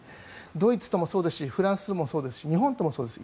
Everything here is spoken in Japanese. ドイツともそうですしフランスもそうですし日本ともそうです。